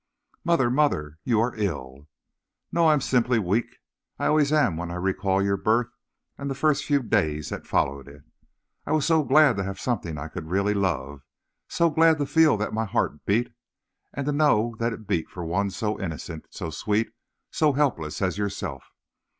"Mother, mother, you are ill!" "No. I am simply weak. I always am when I recall your birth and the first few days that followed it. I was so glad to have something I could really love; so glad to feel that my heart beat, and to know that it beat for one so innocent, so sweet, so helpless as yourself.